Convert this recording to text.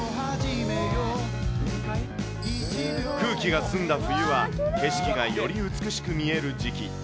空気が澄んだ冬は景色がより美しく見える時期。